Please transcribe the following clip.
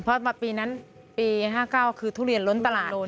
เพราะว่าปี๑๙๕๙คือทุเรียนล้นตลาด